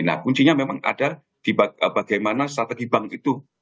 nah kuncinya memang ada di bagaimana strategi bank itu